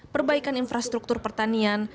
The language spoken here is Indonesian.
perbaikan infrastruktur pertanian